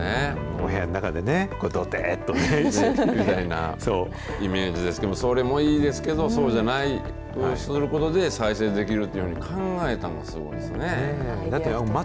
お部屋の中でね、ぐてーっとね。イメージですけど、それもいいですけど、そうじゃない、そうすることで再生できるっていうふうに考えたのがすごいですね。